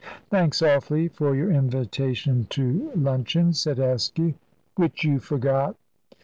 "Thanks awfully for your invitation to luncheon," said Askew. "Which you forgot."